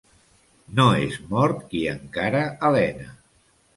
No és mort qui encara alena.